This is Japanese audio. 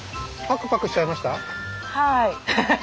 パクパクしちゃいました。